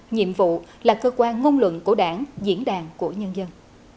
nhiệm vụ là cơ quan ngôn luận của đảng diễn đàn của nhân dân